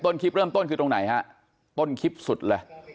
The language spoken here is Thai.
คลิปเริ่มต้นคือตรงไหนฮะต้นคลิปสุดเลย